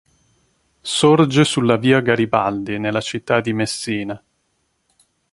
Sorge sulla via Garibaldi, nella città di Messina.